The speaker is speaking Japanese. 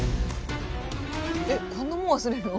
えっこんなもの忘れるの？